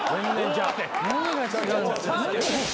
何が違う。